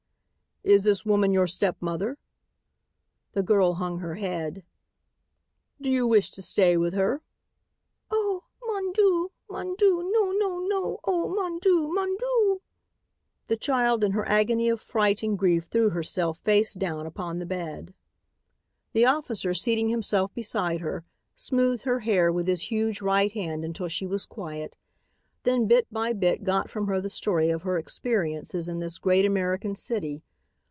"Is this woman your stepmother." The girl hung her head. "Do you wish to stay with her?" "Oh! Mon Dieu! Mon Dieu! No! No! No! Oh, Mon Dieu! Mon Dieu!" The child in her agony of fright and grief threw herself face down upon the bed. The officer, seating himself beside her, smoothed her hair with his huge right hand until she was quiet, then bit by bit got from her the story of her experiences in this great American city.